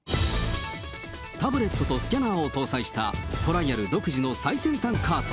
タブレットとスキャナーを搭載したトライアル独自の最先端カート。